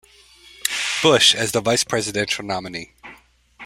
Bush, as the vice-presidential nominee.